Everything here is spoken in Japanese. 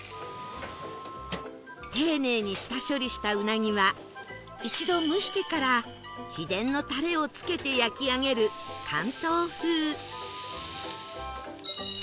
丁寧に下処理したうなぎは一度蒸してから秘伝のタレをつけて焼き上げる関東風